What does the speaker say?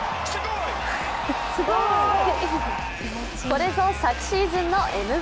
これぞ昨シーズンのＭＶＰ。